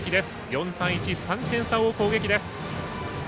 ４対１、３点差を追う攻撃です。